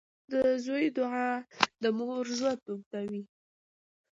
• د زوی دعا د مور ژوند اوږدوي.